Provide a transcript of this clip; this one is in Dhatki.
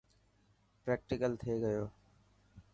پريڪٽيڪل ٿئي گيو.